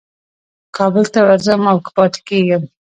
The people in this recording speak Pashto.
کابل ته ورځم او که پاتېږم.